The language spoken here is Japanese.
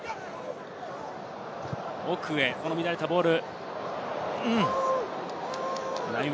奥へ乱れたボール。